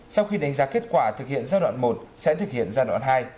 sau khi đánh giá kết quả thực hiện giai đoạn một sẽ thực hiện giai đoạn hai